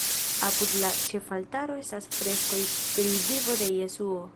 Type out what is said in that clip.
Apud la ĉefaltaro estas freskoj pri vivo de Jesuo.